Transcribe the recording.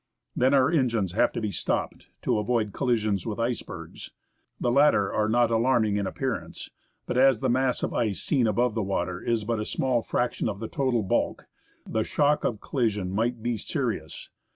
Then our engines have to be stopped, to avoid collisions with icebergs. The latter are not alarm ing in appearance ; but as the mass of ice seen above the water is but a small fraction of the total bulk, the shock of collision might be serious.